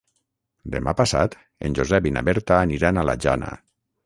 Demà passat en Josep i na Berta aniran a la Jana.